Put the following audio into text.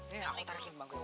disini aku tarikin bang gowa